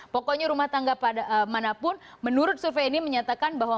pokoknya rumah tangga manapun menurut survei ini menyatakan bahwa